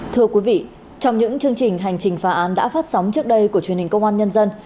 thưa quý vị trong những chương trình hành trình phá án đã phát sóng trước đây của truyền hình công an nhân dân